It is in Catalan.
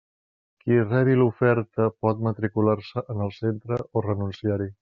Qui rebi l'oferta pot matricular-se en el centre o renunciar-hi.